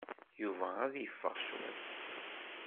Yuba ad yeffeɣ cwiṭ.